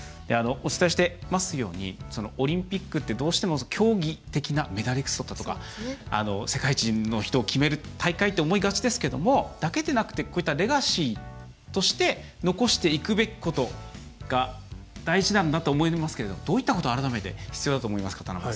お伝えしていますようにオリンピックってどうしても競技的なメダリストとか世界一の人を決める大会って思いがちですがそれだけでなくてこういったレガシーとして残していくべきことが大事なんだと思いますがどういったことが改めて必要だと思いますか？